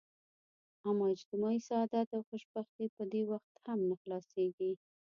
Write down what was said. اما اجتماعي سعادت او خوشبختي په دې وخت هم نه حلاصیږي.